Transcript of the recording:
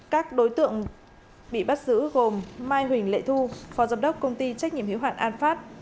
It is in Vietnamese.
các đối tượng bị bắt giữ gồm mai huỳnh lệ thu phó giám đốc công ty trách nhiệm hiệu hoạn an phát